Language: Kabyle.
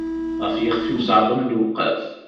Ɣef yixef-iw ṣeεben lewqat.